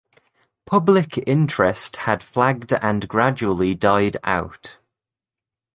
Public interest had flagged and gradually died out.